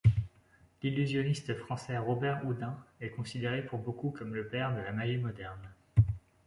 L'illusionniste français Robert-Houdin est considéré pour beaucoup comme le père de la magie moderne.